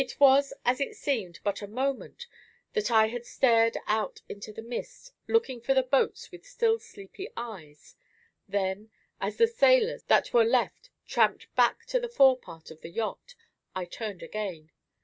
It was as it seemed but a moment that I had stared out into the mist, looking for the boats with still sleepy eyes; then, as the sailors that were left tramped back to the fore part of the yacht, I turned again.